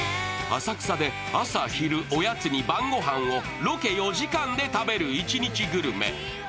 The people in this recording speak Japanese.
浅草で朝昼おやつに晩ご飯をロケ４時間で食べる一日グルメ。